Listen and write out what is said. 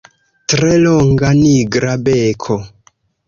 Tre longa, nigra beko.